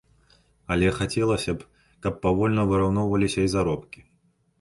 Але хацелася б, каб павольна выраўноўваліся і заробкі.